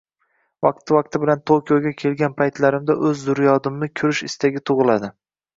Vaqti-vaqti bilan Tokioga kelgan paytlarimda o`z zurriyodimni ko`rish istagi tug`iladi